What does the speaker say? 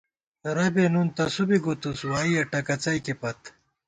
ربے نُن تسُو بی گُتُس، وائیَہ ٹکَڅَئیکےپت